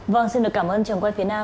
vâng xin được cảm ơn trường quay phía nam